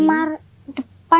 sabtu minggu lalu